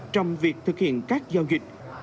trong việc thực hiện các giao dịch